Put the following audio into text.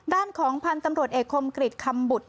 ด้านของพันธุ์ตำรวจเอกคมกริจคำบุตร